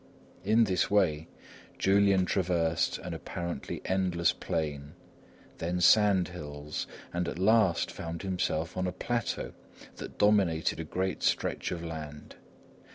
In this way Julian traversed an apparently endless plain, then sand hills, and at last found himself on a plateau that dominated a great stretch of land.